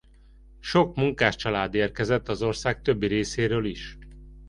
Sok munkáscsalád érkezett az ország többi részéről is.